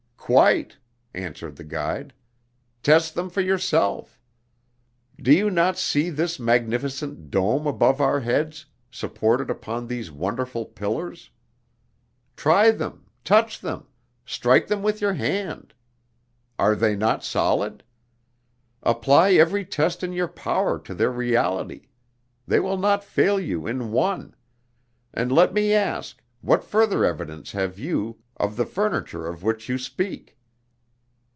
"Quite!" answered the guide. "Test them for yourself. Do you not see this magnificent dome above our heads, supported upon these wonderful pillars? Try them, touch them, strike them with your hand. Are they not solid? Apply every test in your power to their reality; they will not fail you in one and, let me ask, what further evidence have you of the furniture of which you speak?